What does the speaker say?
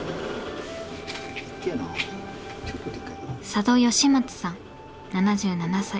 佐渡與四松さん７７歳。